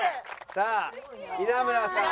さあ稲村さん。